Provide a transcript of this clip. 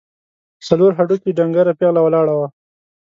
څلور هډوکي، ډنګره پېغله ولاړه وه.